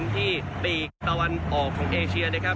ที่ปีกตะวันออกของเอเชียนะครับ